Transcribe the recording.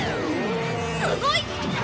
すごい！